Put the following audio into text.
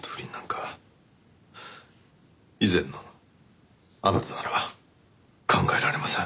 以前のあなたからは考えられません。